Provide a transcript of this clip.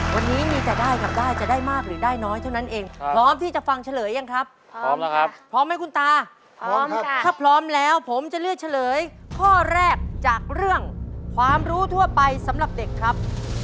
วันนี้มีแต่ได้กับได้จะได้มากหรือได้น้อยเท่านั้นเองพร้อมที่จะฟังเฉลยยังครับพร้อมแล้วครับพร้อมไหมคุณตาพร้อมค่ะถ้าพร้อมแล้วผมจะเลือกเฉลยข้อแรกจากเรื่องความรู้ทั่วไปสำหรับเด็กครับ